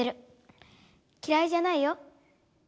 きらいじゃないよ。